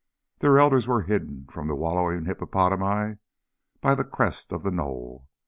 Their elders were hidden from the wallowing hippopotami by the crest of the knoll.